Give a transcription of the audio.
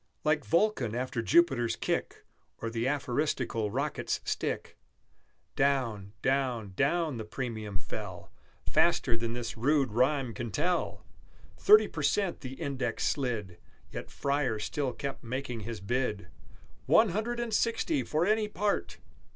Like Vulcan after Jupiter's kick, Or the aphoristical Rocket's stick, Down, down, down, the premium fell, Faster than this rude rhyme can tell! Thirty per cent the index slid, Yet Freyer still kept making his bid, "One Hundred and Sixty for any part!"